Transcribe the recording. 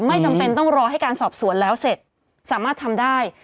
จำเป็นต้องรอให้การสอบสวนแล้วเสร็จสามารถทำได้